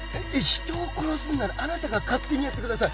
人を殺すならあなたが勝手にやってください！